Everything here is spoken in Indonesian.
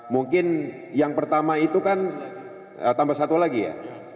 mungkin yang pertama itu kan tambah satu lagi ya